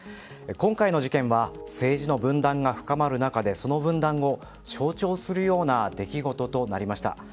今回の事件は政治の分断が深まる中でその分断を象徴するような出来事となりました。